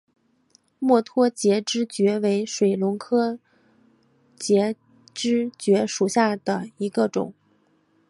墨脱节肢蕨为水龙骨科节肢蕨属下的一个种。